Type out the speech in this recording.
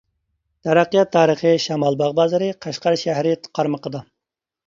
تەرەققىيات تارىخى شامالباغ بازىرى قەشقەر شەھىرى قارمىقىدا.